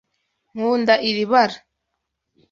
Nkunda iri bara.